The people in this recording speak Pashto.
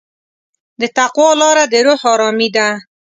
د تقوی لاره د روح ارامي ده.